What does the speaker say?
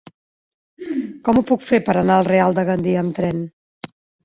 Com ho puc fer per anar al Real de Gandia amb tren?